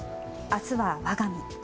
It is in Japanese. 明日は我が身。